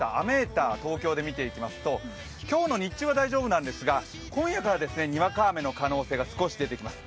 ター、東京で見ていくと今日の日中は大丈夫なんですが今夜からにわか雨の可能性が少し出てきます。